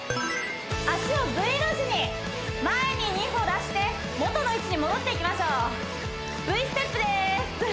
脚をＶの字に前に２歩出して元の位置に戻っていきましょうＶステップです